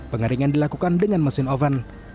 pengeringan dilakukan dengan mesin oven